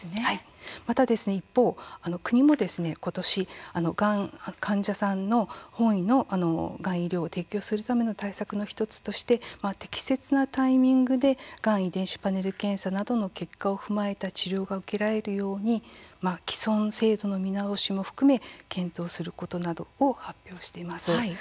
また一方、国も今年患者さん本位のがん医療を提供するための対策の１つとして適切なタイミングでがん遺伝子パネル検査などの結果を踏まえた治療を受けられるように既存制度の見直しも含め検討することなどを発表しています。